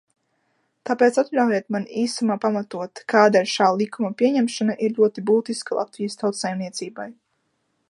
Tāpēc atļaujiet man īsumā pamatot, kādēļ šā likuma pieņemšana ir ļoti būtiska Latvijas tautsaimniecībai.